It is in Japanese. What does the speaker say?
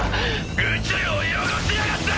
宇宙を汚しやがって！